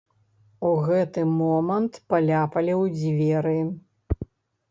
У гэты момант паляпалі ў дзверы.